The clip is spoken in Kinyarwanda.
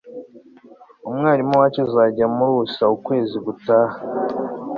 umwarimu wacu azajya muri usa ukwezi gutaha